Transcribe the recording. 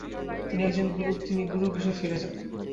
তিনি গুরুগৃহে ফিরে যান।